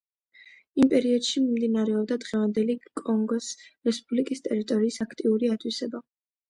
იმ პერიოდში მიმდინარეობდა დღევანდელი კონგოს რესპუბლიკის ტერიტორიის აქტიური ათვისება.